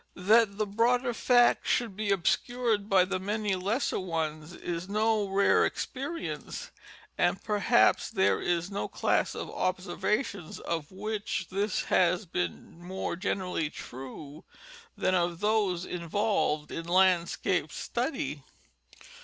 That the broader fact should be obscured by the many lesser ones is no rare experience, and perhaps there is no class of observations of which this has been more generally true than of those involved in landscape study.